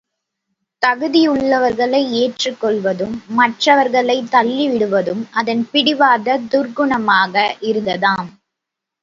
தகுதியுள்ளவர்களை ஏற்றுக் கொள்வதும், மற்றவர்களைத் தள்ளிவிடுவதும் அதன் பிடிவாத துர்க்குணமாக இருந்ததாம்!